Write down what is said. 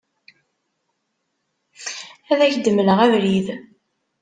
Ad ak-d-mleɣ abrid.